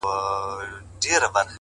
خوار زما د حرکت په هر جنجال کي سته;